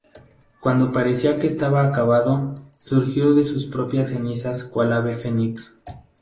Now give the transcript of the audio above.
Cuando parecía que estaba acabado, resurgió de sus propias cenizas cual Ave Fénix